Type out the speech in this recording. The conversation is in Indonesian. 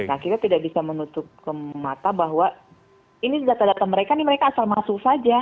nah kita tidak bisa menutup ke mata bahwa ini data data mereka ini mereka asal masuk saja